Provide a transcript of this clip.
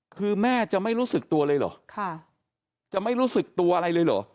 คือแม่จะไม่รู้สึกตัวเลยเหรอจะไม่รู้สึกตัวอะไรเลยเหรอ